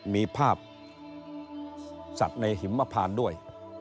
มีภาพสัตว์ในหิมพานด้วย